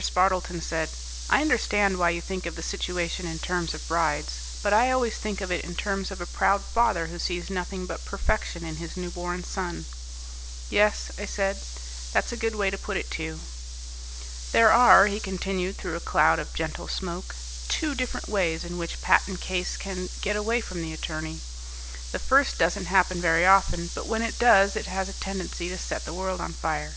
Spardleton said, "I understand why you think of the situation in terms of brides, but I always think of it in terms of a proud father who sees nothing but perfection in his newborn son." "Yes," I said, "that's a good way to put it, too." "There are," he continued through a cloud of gentle smoke, "two different ways in which a patent case can get away from the attorney. The first doesn't happen very often, but when it does it has a tendency to set the world on fire.